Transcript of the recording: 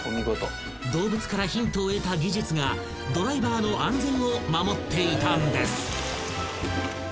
［動物からヒントを得た技術がドライバーの安全を守っていたんです］